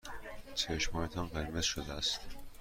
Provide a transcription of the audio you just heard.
چشمهایتان قرمز شده است.